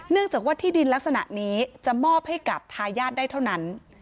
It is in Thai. จากว่าที่ดินลักษณะนี้จะมอบให้กับทายาทได้เท่านั้น